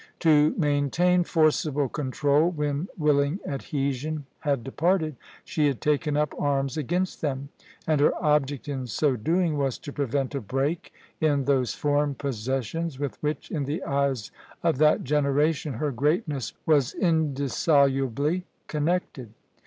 To maintain forcible control when willing adhesion had departed, she had taken up arms against them, and her object in so doing was to prevent a break in those foreign possessions with which, in the eyes of that generation, her greatness was indissolubly connected.